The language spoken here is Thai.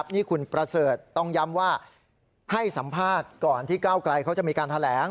นี่คุณประเสริฐต้องย้ำว่าให้สัมภาษณ์ก่อนที่ก้าวไกลเขาจะมีการแถลง